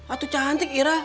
atuh cantik ira